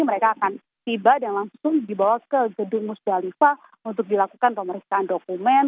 mereka akan tiba dan langsung dibawa ke gedung musdalifah untuk dilakukan pemeriksaan dokumen